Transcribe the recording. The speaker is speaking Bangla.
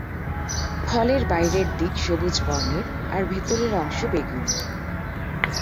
ফলের বাইরের দিক সবুজ বর্ণের আর ভেতরে অংশ বেগুনি।